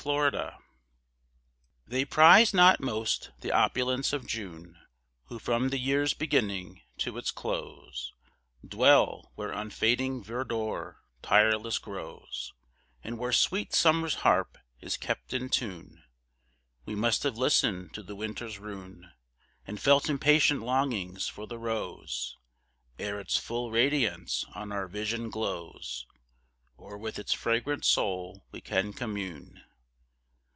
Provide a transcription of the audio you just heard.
APPRECIATION They prize not most the opulence of June Who from the year's beginning to its close Dwell, where unfading verdure tireless grows, And where sweet summer's harp is kept in tune. We must have listened to the winter's rune, And felt impatient longings for the rose, Ere its full radiance on our vision glows, Or with its fragrant soul, we can commune.